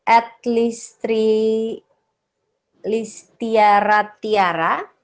adlistri listiara tiara